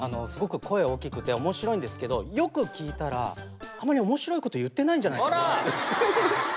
すごく声大きくて面白いんですけどよく聞いたらあんまり面白いこと言ってないんじゃないかな。